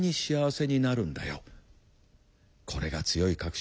これが強い確信